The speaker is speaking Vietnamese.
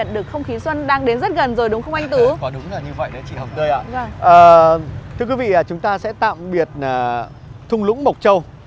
thưa quý vị chúng ta sẽ tạm biệt thung lũng mộc châu